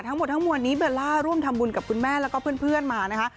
ทั้งหมดทั้งมวลนี้เบลล่าร่วมทำบุญกับคุณแม่แล้วก็เพื่อนมานะคะ